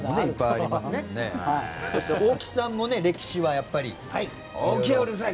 大木さんも歴史はやっぱり。